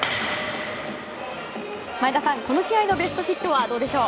前田さん、この試合のＢｅｓｔＨｉｔはどうでしょう。